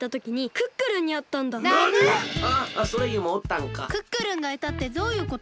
クックルンがいたってどういうこと？